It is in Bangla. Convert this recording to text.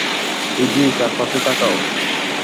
ইজি, চারপাশে তাকাও।